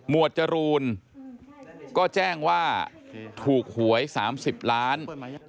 วดจรูนก็แจ้งว่าถูกหวย๓๐ล้าน